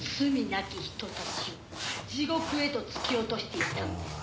なき人たちを地獄へと突き落としていったのです」